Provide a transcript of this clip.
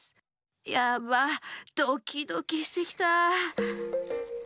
やばドキドキしてきたあ。